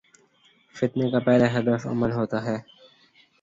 فتنے کا پہلا ہدف امن ہو تا ہے۔